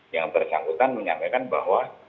yang bersangkutan menyampaikan bahwa